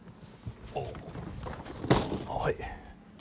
あっはい。